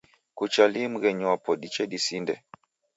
Kucha lii mghenyi wapo diche disinde?